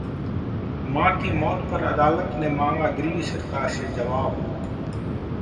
मां की मौत पर अदालत ने मांगा दिल्ली सरकार से जवाब